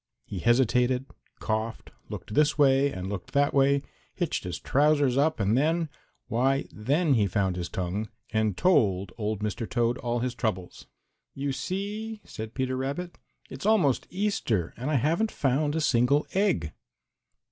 He hesitated, coughed, looked this way and looked that way, hitched his trousers up, and then, why then he found his tongue and told old Mr. Toad all his troubles. "You see," said Peter Rabbit, "it's almost Easter and I haven't found a single egg."